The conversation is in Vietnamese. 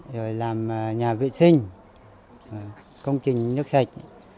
rồi làm nhà vệ sinh công trình nước sạch